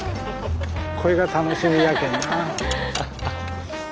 これが楽しみやけんな。